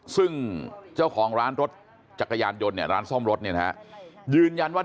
ซึ่งเจ้าของร้านรถจักรยานยนต์ร้านซ่อมรถยืนยันว่า